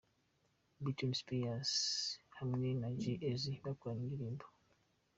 Britney Spears hamwe na G Eazy bakoranye indirimbo.